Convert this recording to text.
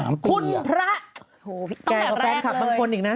โอ้โฮต้องแบบแรกเลยแกกับแฟนคลับบางคนอีกนะ